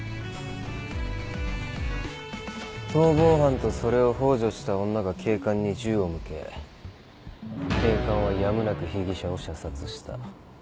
逃亡犯とそれをほう助した女が警官に銃を向け警官はやむなく被疑者を射殺した。